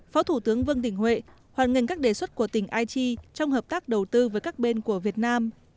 phó thủ tướng vương đình huệ hoàn nghênh các đề xuất của tỉnh aichi trong hợp tác đầu tư với các bên của việt nam